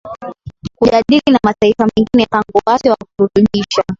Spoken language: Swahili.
kujadili na mataifa mengine mpango wake wa kurutubisha